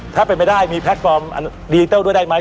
ถ้าเป็นไม่ได้มีแพลตฟอร์มดิจิทัลด้วยได้ไหม